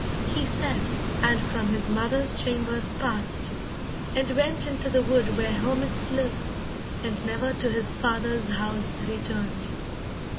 He said, and from his mother's chambers past, And went into the wood where hermits live, And never to his father's house returned.